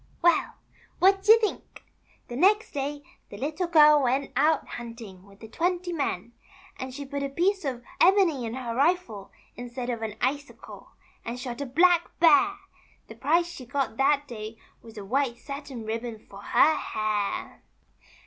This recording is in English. ^^Well! What you think ! the next day the Lit the twenty men, and MARY LEE'S STORY. 323 she put a piece of ebony in her rifle, instead of an icicle, and shot a Black Bear. The prize she got that day was a white satin ribbon for her hair.